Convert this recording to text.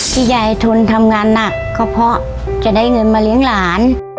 ยายทนทำงานหนักก็เพราะจะได้เงินมาเลี้ยงหลาน